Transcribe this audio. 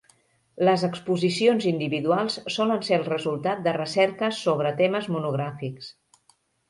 Les exposicions individuals solen ser el resultat de recerques sobre temes monogràfics.